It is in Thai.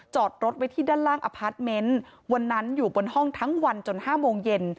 จอดรถไว้ที่ด้านล่างอพาร์ทเมนต์วันนั้นอยู่บนห้องทั้งวันจน๕โมงเย็น